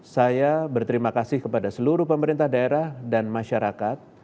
saya berterima kasih kepada seluruh pemerintah daerah dan masyarakat